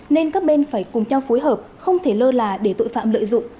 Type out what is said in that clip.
nên các bên phải cùng nhau phối hợp không thể lơ là để tội phạm lợi dụng